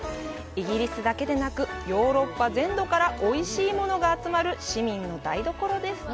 イギリスだけでなく、ヨーロッパ全土からおいしいものが集まる市民の台所です。